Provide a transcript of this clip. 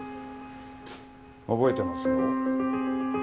覚えてますよ。